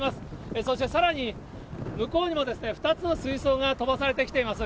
そしてさらに、向こうにも２つの水槽が飛ばされてきています。